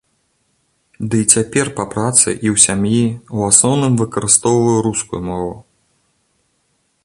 Дый цяпер па працы і ў сям'і ў асноўным выкарыстоўваю рускую мову.